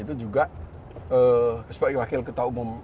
itu juga sebagai wakil ketua umum